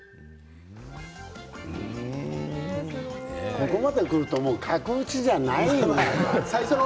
ここまでくるともう角打ちじゃないよね。